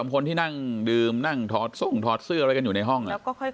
๒๓คนที่ดื่มดื่มถอดซุ่มถอดเสื้ออะไรอยู่ในห้อง